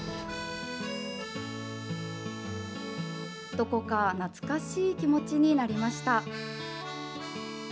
どこか懐かしい気持ちになりました。